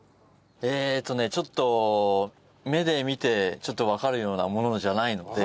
えーっとねちょっと目で見てちょっとわかるようなものじゃないので。